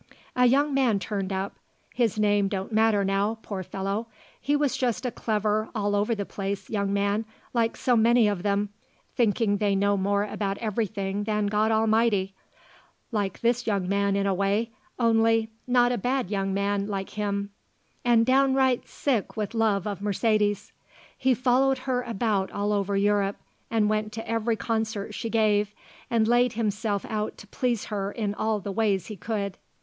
"A young man turned up. His name don't matter now, poor fellow. He was just a clever all over the place young man like so many of them, thinking they know more about everything than God Almighty; like this young man in a way, only not a bad young man like him; and downright sick with love of Mercedes. He followed her about all over Europe and went to every concert she gave and laid himself out to please her in all the ways he could.